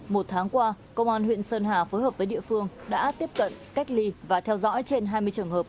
một tháng qua công an huyện sơn hà phối hợp với địa phương đã tiếp cận cách ly và theo dõi trên hai mươi trường hợp